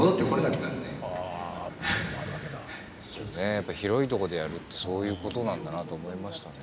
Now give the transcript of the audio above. やっぱり広いとこでやるってそういうことなんだなと思いましたね。